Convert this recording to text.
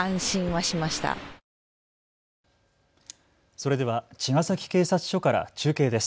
それでは茅ヶ崎警察署から中継です。